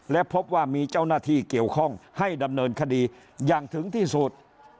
และพบว่ามีเจ้าหน้าที่เกี่ยวข้องให้ดำเนินคดีอย่างถึงที่สุด